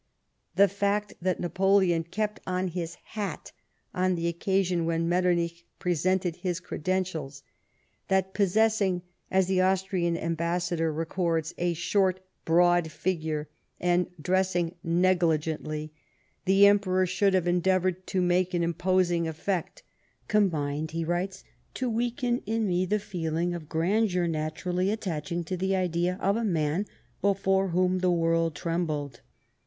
The fact that Napoleon kept on his hat on the occasion when Metter nich presented his credentials ; that, possessing, as the Austrian ambassador records, a short broad figure, and dressing negligently, the P^mperor should have endea voured to make an imposing effect, " combined," he writes, " to weaken in me the feeling of grandeur naturally attaching to the idea of a man before whom the world trembled."